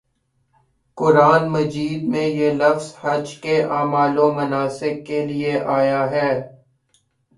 قرآنِ مجید میں یہ لفظ حج کے اعمال و مناسک کے لیے آیا ہے